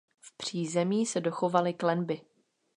V přízemí se dochovaly klenby.